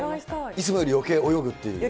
いつもよりよけい泳ぐっていう。